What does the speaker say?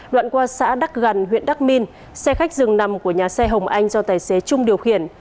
đoạn qua xã đắc gần huyện đắc minh xe khách dừng nằm của nhà xe hồng anh do tài xế trung điều khiển